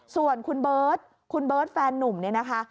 ส่วนคุณเบิร์ตคุณเบิร์ตแฟนนุ่มเนี่ยนะคะ